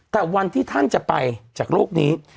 แต่วันที่ท่านจะไปจากโลกนี้